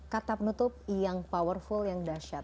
kata penutup yang powerful yang dahsyat